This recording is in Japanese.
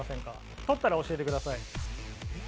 取ったら教えてください。